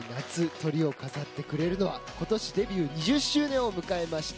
トリを飾ってくれるのは今年デビュー２０周年を迎えました